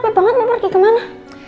ibu kerap banget mau pergi kemana